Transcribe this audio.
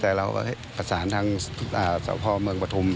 แต่เราปราศนาทางเศรษฐ์พลเมืองประธุมย์